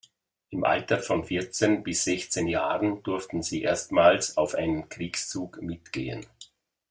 Im Alter von vierzehn bis sechzehn Jahren durften sie erstmals auf einen Kriegszug mitgehen.